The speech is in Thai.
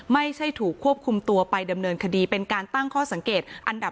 ไม่ใช่ถูกควบคุมตัวไปดำเนินคดีเป็นการตั้งข้อสังเกตอันดับ